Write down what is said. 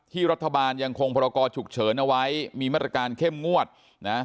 รัฐบาลยังคงพรกรฉุกเฉินเอาไว้มีมาตรการเข้มงวดนะ